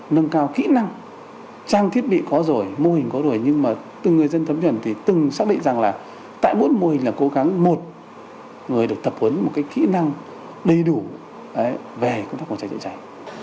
nâng cao kỹ năng trang thiết bị có rồi mô hình có rồi nhưng mà từ người dân thấm nhuận thì từng xác định rằng là tại mỗi mô hình là cố gắng một người được tập huấn một cái kỹ năng đầy đủ về công tác phòng cháy chữa cháy